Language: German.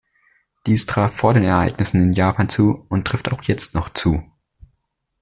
Dies traf vor den Ereignissen in Japan zu und trifft auch jetzt noch zu.